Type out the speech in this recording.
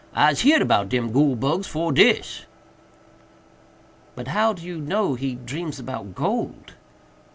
Ise heerd 'bout dem goole bugs fore dis." "But how do you know he dreams about gold?"